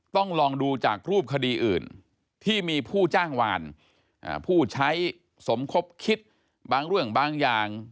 ต้องลองดูจากรูปคดีอื่นที่มีผู้จ้างวานผู้ใช้สมคบคิดบางเรื่องบางอย่าง